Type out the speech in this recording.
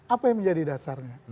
apa yang menjadi dasarnya